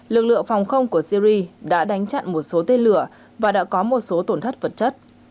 lực lượng phòng không của syri đã đánh chặn một số tên lửa và đã có một số tổn thất vật chất